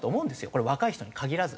これ若い人に限らず。